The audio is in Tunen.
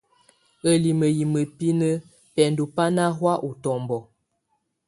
Ǝ́limǝ́ yɛ́ mǝ́binǝ́ bɛndɔ́ bá ná hɔ̀á útɔ́mbɔ.